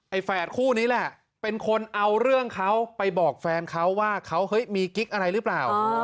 แฝดคู่นี้แหละเป็นคนเอาเรื่องเขาไปบอกแฟนเขาว่าเขาเฮ้ยมีกิ๊กอะไรหรือเปล่า